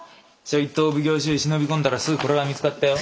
ちょいとお奉行所へ忍び込んだらすぐこれが見つかったよ。